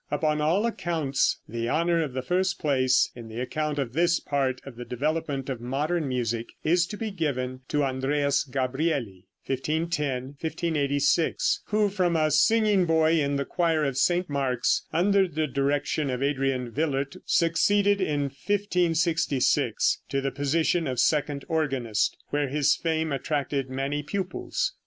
Upon all accounts the honor of the first place in the account of this part of the development of modern music is to be given to Andreas Gabrieli (1510 1586), who from a singing boy in the choir of St. Mark's, under the direction of Adrian Willaert, succeeded in 1566 to the position of second organist, where his fame attracted many pupils.